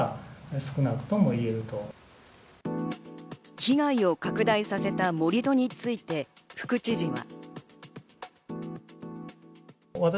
被害を拡大させた盛り土について副知事は。